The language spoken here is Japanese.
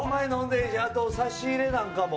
あと差し入れなんかも。